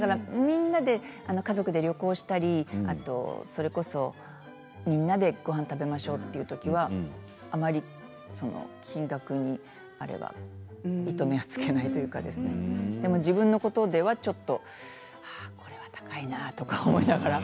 家族みんなで旅行したりみんなでごはんを食べましょうというときはあまり金額に糸目は付けないというかでも自分のことではちょっとこれは高いなと思いながら。